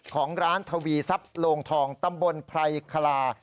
ของร้านทวีทรัพย์โลงทองตำบลไพรคลา